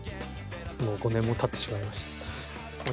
「もう５年も経ってしまいました」。